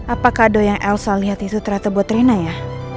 apa kado yang elsa lihat itu ternyata buat rina ya